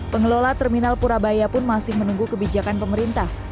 pengelola terminal purabaya pun masih menunggu kebijakan pemerintah